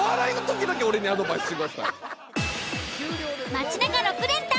街なか６連単。